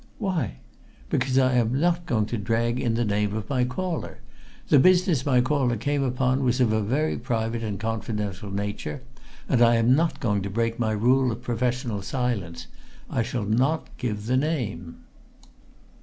"Why?" "Because I am not going to drag in the name of my caller! The business my caller came upon was of a very private and confidential nature, and I am not going to break my rule of professional silence. I shall not give the name."